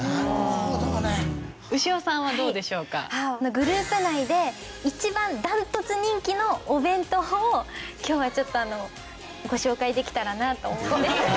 グループ内で一番ダントツ人気のお弁当を今日はちょっとご紹介できたらなと思って。